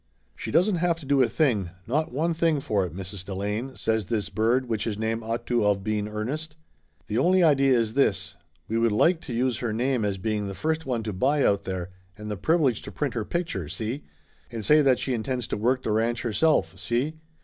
"She doesn't have to do a thing, not one thing, for it, Mrs. Delane," says this bird, which his name ought to of been Ernest. "The only idea is this : We would like to use her name as being the first one to buy out there, and the privilege to print her picture, see? And say that she intends to work the ranch herself, see?